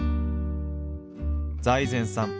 財前さん